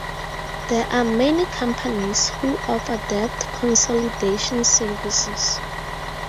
There are many companies who offer debt consolidation services.